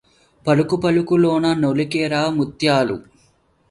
పలుకుపలుకులోన నొలికెరా ముత్యాలు